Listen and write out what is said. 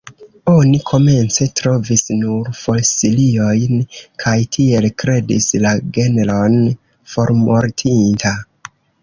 Oni komence trovis nur fosiliojn, kaj tiel kredis la genron formortinta.